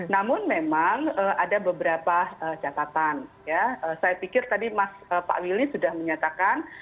namun memang ada beberapa catatan ya saya pikir tadi pak willy sudah menyatakan